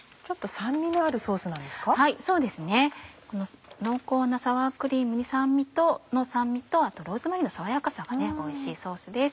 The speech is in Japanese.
そうですねこの濃厚なサワークリームの酸味とあとローズマリーの爽やかさがおいしいソースです。